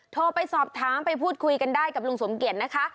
โทรไปสอบถามไปพูดคุยกันได้กับลุงสมเกียจนะคะ